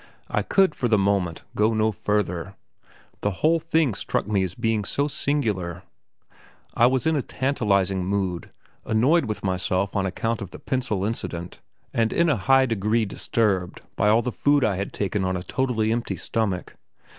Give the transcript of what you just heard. I could, for the moment, go no further; the whole thing struck me as being so singular. I was in a tantalizing mood, annoyed with myself on account of the pencil incident, and in a high degree disturbed by all the food I had taken on a totally empty stomach.